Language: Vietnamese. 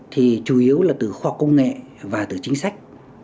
thì chủ yếu là từ khoa công nghệ và từ chính sách